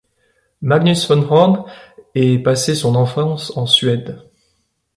Magnus von Horn est passé son enfance en Suède.